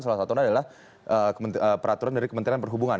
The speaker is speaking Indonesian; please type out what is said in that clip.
salah satunya adalah peraturan dari kementerian perhubungan